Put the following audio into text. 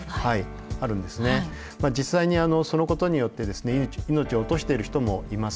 まあ実際にあのそのことによってですね命を落としている人もいます。